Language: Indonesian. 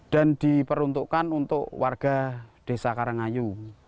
dan diperuntukkan untuk warga desa karangayu